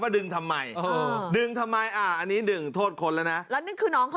ดึงทำไมว่าอันนี้ดึงโทษคนแล้วนะ